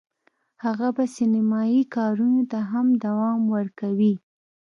هغه به سینمایي کارونو ته هم دوام ورکوي